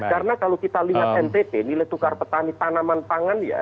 karena kalau kita lihat ntp nilai tukar petani tanaman pangan ya